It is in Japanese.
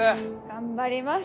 頑張ります！